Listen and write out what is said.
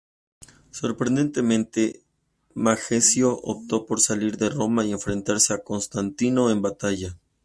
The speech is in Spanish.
Sorprendentemente, Majencio optó por salir de Roma y enfrentarse a Constantino en batalla.